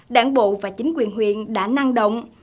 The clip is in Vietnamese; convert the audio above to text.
đảng bộ và chính quyền huyện đã năng động